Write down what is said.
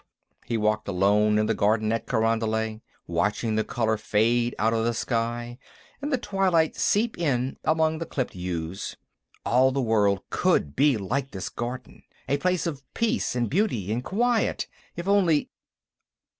He walked alone in the garden at Carondelet, watching the color fade out of the sky and the twilight seep in among the clipped yews. All the world could be like this garden, a place of peace and beauty and quiet, if only....